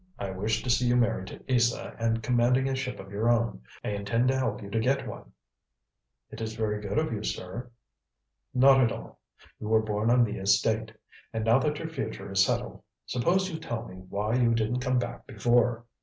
I wish to see you married to Isa and commanding a ship of your own. I intend to help you to get one." "It is very good of you, sir." "Not at all. You were born on the estate. And now that your future is settled, suppose you tell me why you didn't come back before?"